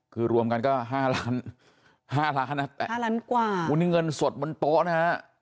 คือรวมกันก็๕๐๐๐๐๐๐บาทมีเงินสดบนโต๊ะนะฮะ